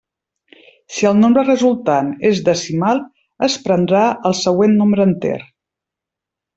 Si el nombre resultant és decimal, es prendrà el següent nombre enter.